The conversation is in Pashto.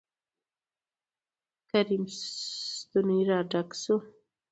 کريم ستونى را ډک شو.